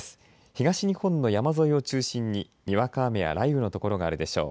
東日本の山沿いを中心ににわか雨や雷雨の所があるでしょう。